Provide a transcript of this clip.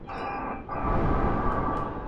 هغه ماشوم چې ملاتړ لري، ښه زده کړه کوي.